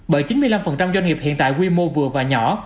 bởi chín mươi năm doanh nghiệp hiện tại quy mô vừa và nhỏ